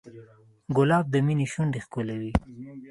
ګلاب د مینې شونډې ښکلوي.